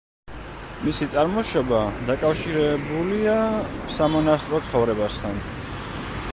მისი წარმოშობა დაკავშირებულია სამონასტრო ცხოვრებასთან.